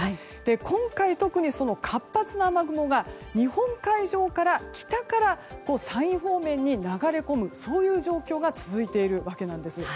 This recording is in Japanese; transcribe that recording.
今回特に活発な雨雲が日本海上から、北から山陰方面に流れ込む、そういう状況が続いているわけです。